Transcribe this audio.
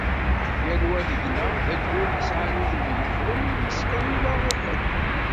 Yal wa deg-neɣ d ayyur yesεan udem yeffren ur yeskan ula i ḥedd.